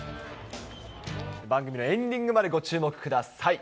番組のエンディングまでご注目ください。